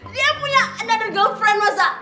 dia punya another girlfriend masa